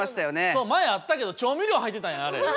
そう前あったけど調味料入ってたんやあれ。